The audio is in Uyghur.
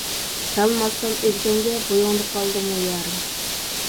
چالما ئاتسام ئۆگزەڭگە، بويۇڭدا قالدىمۇ يارىم.